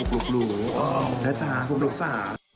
บกลุกนะจ๊ะบกลุกจ้ะ